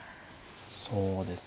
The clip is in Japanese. そうですね。